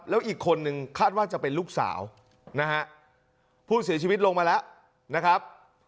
แล้วอีกคนนึงคาดว่าจะเป็นลูกสาวนะฮะผู้เสียชีวิตลงมาแล้วนะครับ